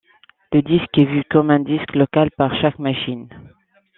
Le disque est vu comme un disque local par chaque machine.